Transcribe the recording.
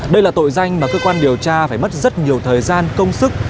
đây là tội danh mà cơ quan điều tra phải mất rất nhiều thời gian công sức